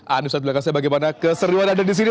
anissa di belakang saya bagaimana keseruan ada di sini